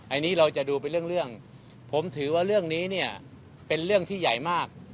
อันนี้เราจะดูเป็นเรื่องผมถือว่าเรื่องนี้เนี่ยเป็นเรื่องที่ใหญ่มาก